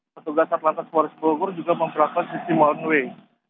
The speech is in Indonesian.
petugas satlantas polres bogor juga memperlakukan sistem one way